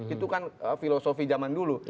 itu kan filosofi zaman dulu